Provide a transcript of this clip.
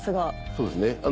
そうですね